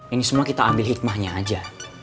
ini semua kita ambil hikmahnya aja